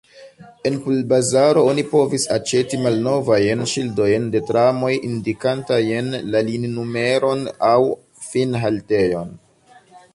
En pulbazaro oni povis aĉeti malnovajn ŝildojn de tramoj indikantajn la lininumeron aŭ finhaltejon.